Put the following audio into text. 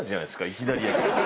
いきなり。